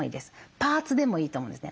パーツでもいいと思うんですね。